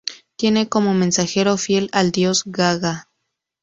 Tiene como mensajero fiel al dios Gaga.